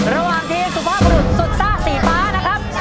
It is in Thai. ระหว่างทีมสุภาพบรุษสุดซ่าสีฟ้านะครับ